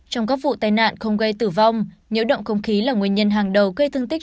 trong các vụ tai nạn không gây tử vong nhiễu động không khí là nguyên nhân hàng đầu gây thương tích